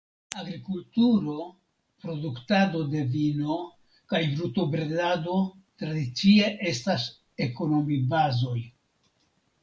Agrikulturo (produktado de vino) kaj brutobredado tradicie estas ekonomibazoj.